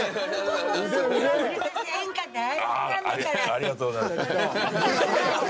ありがとうございます。